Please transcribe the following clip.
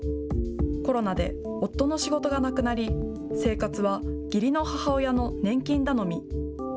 コロナで夫の仕事がなくなり生活は義理の母親の年金頼み。